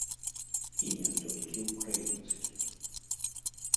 І не толькі ўкраінскіх.